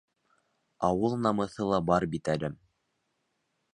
Ауыл намыҫы ла бар бит әле.